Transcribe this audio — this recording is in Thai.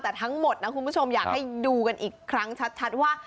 แต่ทั้งหมดนะคุณผู้ชมอยากให้ดูกันอีกครั้งชัดว่า